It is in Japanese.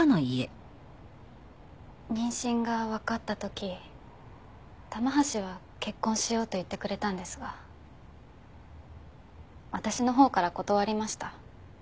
妊娠がわかった時玉橋は結婚しようと言ってくれたんですが私のほうから断りました。